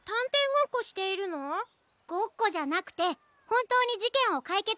ごっこじゃなくてほんとうにじけんをかいけつしているところなの！